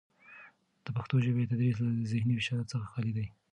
د پښتو ژبې تدریس له زهني فشار څخه خالي دی.